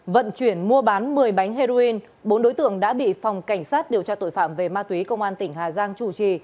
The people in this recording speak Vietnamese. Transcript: vận chuyển mua bán một mươi bánh heroin bốn đối tượng đã bị phòng cảnh sát điều tra tội phạm về ma túy công an tỉnh hà giang chủ trì